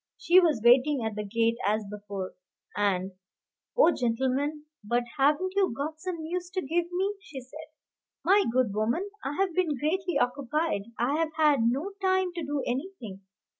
She was waiting at the gate as before, and, "Oh, gentleman, but haven't you got some news to give me?" she said. "My good woman, I have been greatly occupied. I have had no time to do anything."